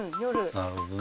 なるほどね。